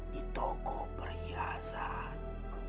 di toko perhiasan